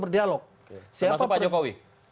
berdialog termasuk pak jokowi